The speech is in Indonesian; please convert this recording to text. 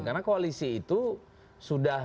karena koalisi itu sudah